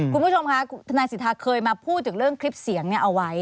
คุณผู้ชมค่ะทนายสิทธาเคยมาพูดถึงเรื่องคลิปเสียงเอาไว้